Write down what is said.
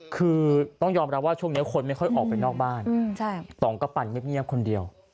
คือต้องยอมรับว่าช่วงนี้คนไม่ค่อยออกไปนอกบ้านต่องก็ปั่นเงียบคนเดียว